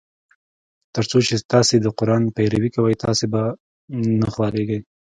تر څو چي تاسي د قرآن پیروي کوی تاسي به نه خوارېږی.